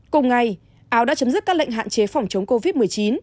cùng ngày áo đã chấm dứt các lệnh hạn chế phòng chống covid một mươi chín